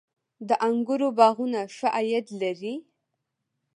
د انګورو باغونه ښه عاید لري؟